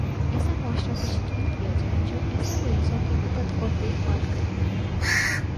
ایسا معاشرہ تشکیل دیا جائےجو ایسے مریضوں کی مدد اور دیکھ بھال کرے